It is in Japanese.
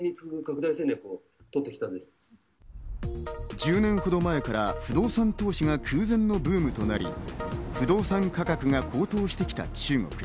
１０年ほど前から不動産投資が空前のブームとなり、不動産価格が高騰してきた中国。